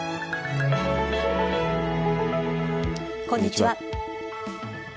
こんにちは。